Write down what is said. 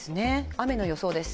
雨の予想です。